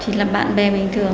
chỉ là bạn bè bình thường